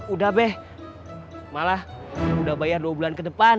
udah deh malah udah bayar dua bulan ke depan